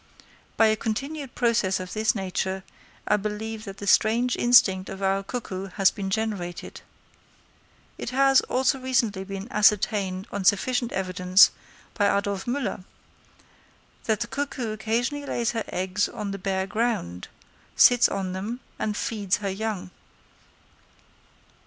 By a continued process of this nature, I believe that the strange instinct of our cuckoo has been generated. It has, also recently been ascertained on sufficient evidence, by Adolf Müller, that the cuckoo occasionally lays her eggs on the bare ground, sits on them and feeds her young.